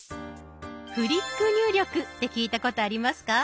「フリック入力」って聞いたことありますか？